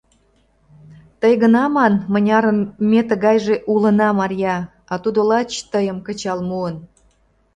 — Тый гына ман, мынярын ме тыгайже улына, Марья, а тудо лач тыйым кычал муын.